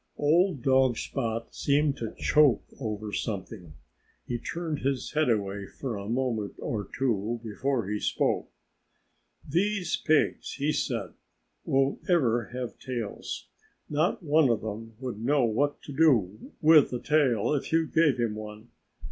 Old dog Spot seemed to choke over something. He turned his head away for a moment or two before he spoke. "These pigs," he said, "won't ever have tails. Not one of them would know what to do with a tail if you gave him one.